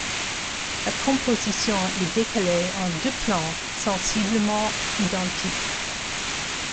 La composition est décalée en deux plans sensiblement identiques.